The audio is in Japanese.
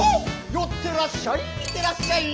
寄ってらっしゃい見てらっしゃい！